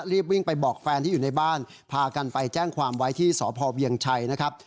รีบวิ่งไปบอกแฟนที่อยู่ในบ้านพากันไปแจ้งความไว้ที่สพเวียงชัยนะครับ